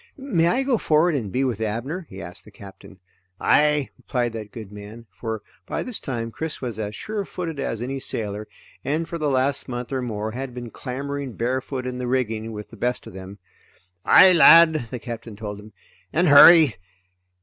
"May I go forward and be with Abner?" he asked the Captain. "Aye," replied that good man, for by this time Chris was as surefooted as any sailor and for the last month or more had been clambering barefoot in the rigging with the best of them. "Aye lad," the Captain told him, "and hurry.